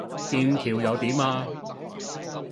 劍橋又點呀?